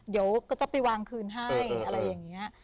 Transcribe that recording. เดี๋ยวก็ต้องไปวางคืนให้อะไรอย่างนี้